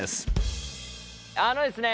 あのですね